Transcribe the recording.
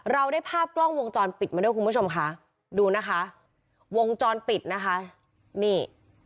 เราได้ภาพกล้องวงจรปิดมาด้วยคุณผู้ชมค่ะดูนะคะวงจรปิดนะคะนี่